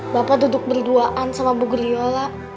bapak duduk berduaan sama bu geriola